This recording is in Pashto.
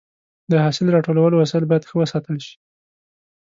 د حاصل راټولولو وسایل باید ښه وساتل شي.